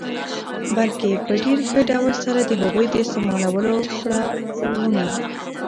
بلکي په ډېر ښه ډول سره د هغوی د استعمالولو پړا وونه